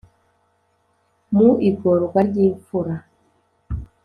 mu igorwa ry’imfura